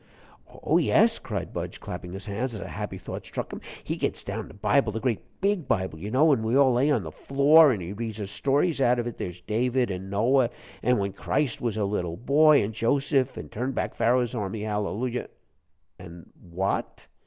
"Oh, yes," cried Budge, clapping his hands, as a happy thought struck him. "He gets down the Bible the great big Bible, you know an' we all lay on the floor, an' he reads us stories out of it. There's David, an' Noah, an' when Christ was a little boy, an' Joseph, an' turnbackPharo'sarmyhallelujah " "And what?"